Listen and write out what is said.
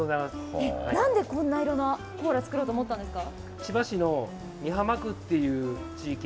なんでコーラ作ろうと思ったんですか。